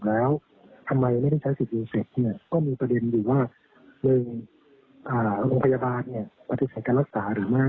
แล้วทำไมไม่ได้ใช้สิทธิยูเซฟเนี่ยก็มีประเด็นอยู่ว่า๑โรงพยาบาลปฏิเสธการรักษาหรือไม่